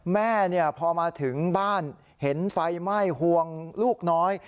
แม่พอมาถึงบ้านเห็นไฟไหม้ห่วงลูกน้อย